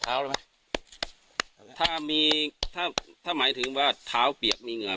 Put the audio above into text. ไหมถ้ามีถ้าถ้าหมายถึงว่าเท้าเปียกมีเหงื่อ